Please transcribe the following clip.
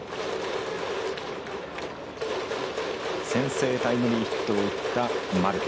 先制タイムリーヒットを打ったマルテ。